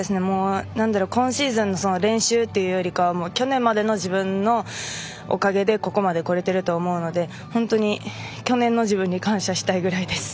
今シーズンの練習っていうよりかは去年までの自分のおかげでここまでこれてると思うんで去年の自分に感謝したいです。